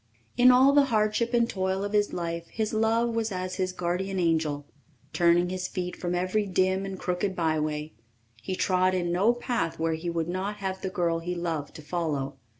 In all the hardship and toil of his life his love was as his guardian angel, turning his feet from every dim and crooked byway; he trod in no path where he would not have the girl he loved to follow.